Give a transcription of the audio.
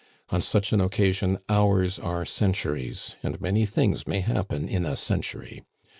On such an occasion hours are centuries, and many things may happen in a century.